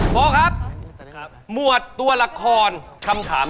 พอครับ